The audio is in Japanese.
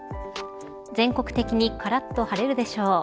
全国的にからっと晴れるでしょう。